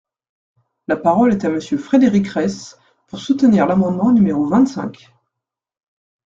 La parole est à Monsieur Frédéric Reiss, pour soutenir l’amendement numéro vingt-cinq.